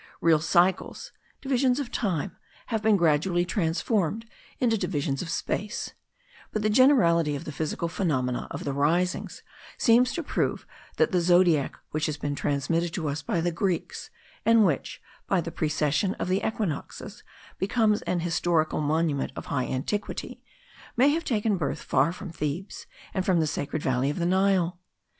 Real cycles, divisions of time, have been gradually transformed into divisions of space; but the generality of the physical phenomena of the risings seems to prove that the zodiac which has been transmitted to us by the Greeks, and which, by the precession of the equinoxes, becomes an historical monument of high antiquity, may have taken birth far from Thebes, and from the sacred valley of the Nile.